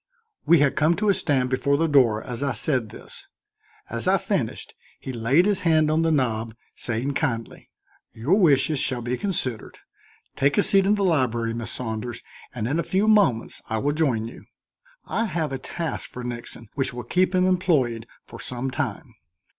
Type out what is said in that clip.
We had come to a stand before the door as I said this. As I finished, he laid his hand on the knob, saying kindly: "Your wishes shall be considered. Take a seat in the library, Miss Saunders, and in a few moments I will join you. I have a task for Nixon which will keep him employed for some time."